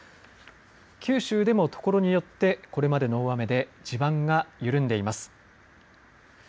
九州でもところによって、これまでの大雨で地盤が緩んでいます。